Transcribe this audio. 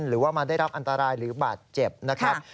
หรือว่ามาได้รับอันตรายหรือบาดเจ็บนะครับ